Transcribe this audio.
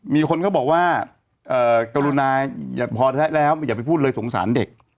มีคนเขาบอกว่ากรุณาอย่าพอแท้แล้วอย่าไปพูดเลยสงสารเด็ก